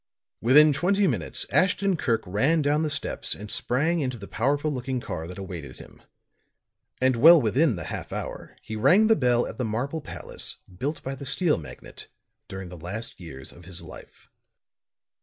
Within twenty minutes Ashton Kirk ran down the steps and sprang into the powerful looking car that awaited him; and well within the half hour he rang the bell at the marble palace built by the steel magnate during the last years of his life.